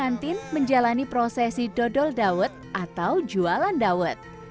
kawan pengantin menjalani prosesi dodol dawet atau jualan dawet